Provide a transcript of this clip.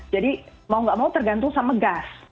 jadi mau nggak mau tergantung sama gas